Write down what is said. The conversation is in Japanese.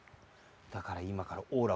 だからいまからオーラをけす。